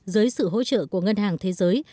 dưới sự hỗ trợ của ngân hàng thế giới